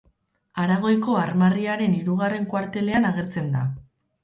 Aragoiko armarriaren hirugarren kuartelean agertzen da.